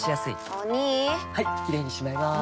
お兄はいキレイにしまいます！